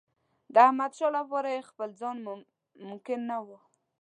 د احمدشاه لپاره یې ځپل ممکن نه وو.